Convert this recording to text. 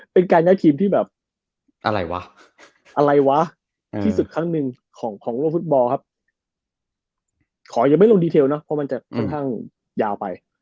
เป็นการย้ายทีมที่แบบอะไรวะอะไรวะที่สุดครั้งหนึ่งของโลกฟุตบอลครับขอยังไม่ลงดีเทลเนอะเพราะมันจะค่อนข้างยาวไป